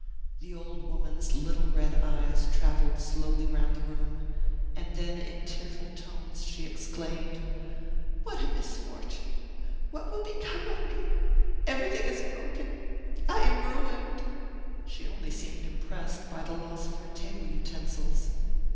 The old woman's little red eyes traveled slowly round the room, and then in tearful tones she exclaimed: "What a misfortune! what will become of me? Everything is broken I am ruined!" She only seemed impressed by the loss of her table utensils.